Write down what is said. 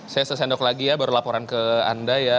saya sesendok lagi ya baru laporan ke anda ya